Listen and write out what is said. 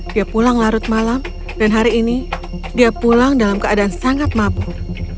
dia pulang larut malam dan hari ini dia pulang dalam keadaan sangat mabuk